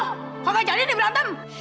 kok enggak jalin nih berantem